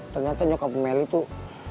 ternyata nyokap meli tuh